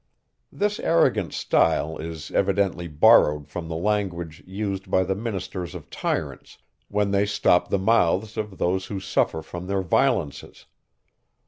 This arrogant style is evidently borrowed from the language, used by the ministers of tyrants, when they stop the mouths of those who suffer from their violences.